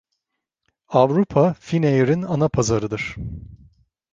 Avrupa, Finnair’ın ana pazarıdır.